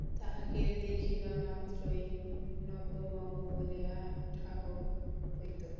তাঁহাকে দেখিবামাত্রই নব্যবঙ্গ বলিয়া ঠাহর হইত।